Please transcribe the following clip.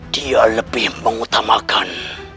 dia lebih mengutamakan